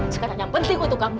sekarang yang penting untuk kamu